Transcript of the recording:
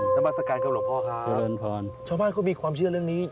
น้ำบัสการครับหลวงพ่อค่ะโทษแล้วอันพรชาวบ้านเขามีความเชื่อเรื่องนี้